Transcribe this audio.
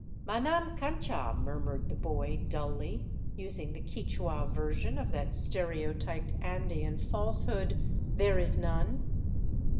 " Manam cancha," murmured the boy dully, using the Quichua ver sion of that stereotyped Andean falsehood, " There is none."